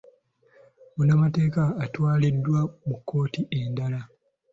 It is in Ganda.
Munnamateeka atwaliddwa mu kkooti endala.